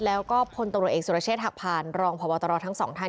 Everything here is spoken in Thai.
แล้วก็พลตำรวจเอกสุรเชษฐหักพานรองพบตรทั้งสองท่าน